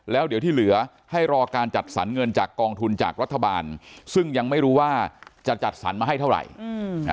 แล้วเดี๋ยวที่เหลือให้รอการจัดสรรเงินจากกองทุนจากรัฐบาลซึ่งยังไม่รู้ว่าจะจัดสรรมาให้เท่าไหร่